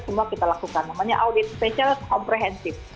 semua kita lakukan namanya audit spesial komprehensif